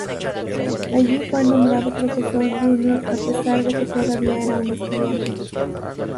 Allí fue nombrado profesor "júnior" a pesar de que todavía era un estudiante.